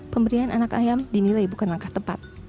pemberian anak ayam dinilai bukan langkah tepat